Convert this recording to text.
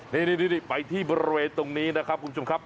นี่ไปที่บริเวณตรงนี้นะครับคุณผู้ชมครับ